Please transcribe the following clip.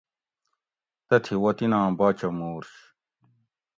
تتھی وطیناں باچہ مُورش